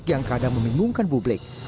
yang kadang membingungkan publik